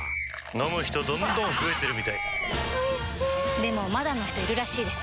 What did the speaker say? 飲む人どんどん増えてるみたいおいしでもまだの人いるらしいですよ